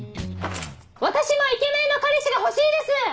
私もイケメンの彼氏が欲しいです！